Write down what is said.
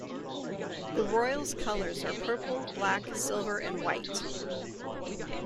The Royals colors are purple, black, silver, and white.